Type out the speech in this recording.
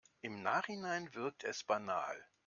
Im Nachhinein wirkt es banal.